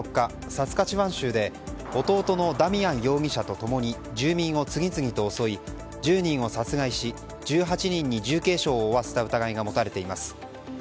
サスカチワン州で弟のダミアン容疑者と共に住民を次々と襲い１０人を殺害し１８人に重軽傷を負わせた疑いが持たれています。